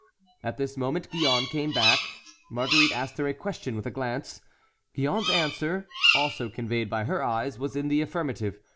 At this moment Gillonne came back. Marguerite asked her a question with a glance; Gillonne's answer, also conveyed by her eyes, was in the affirmative.